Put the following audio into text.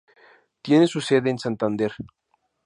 Tiene su sede en Santander.